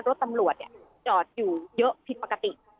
รถตำรวจจอดอยู่พิษปกติ